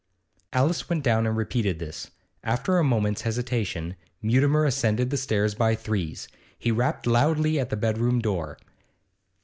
Alice went down and repeated this. After a moment's hesitation Mutimer ascended the stairs by threes. He rapped loudly at the bedroom door.